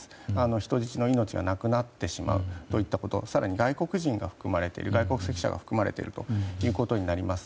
人質の命がなくなってしまうということ更に外国籍者が含まれているということになります。